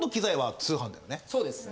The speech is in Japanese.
そうですね